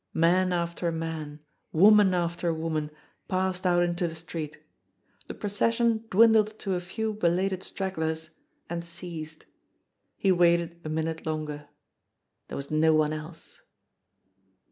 Man after man, woman after woman, passed out into the street. The procession dwindled to a few be lated stragglers and ceased. He waited a minute longer. There was no one else.